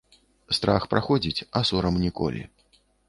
Страх праходзіць, а сорам ніколі.